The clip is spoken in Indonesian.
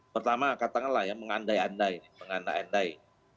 pertama katakanlah ya mengandai andai mengandai andai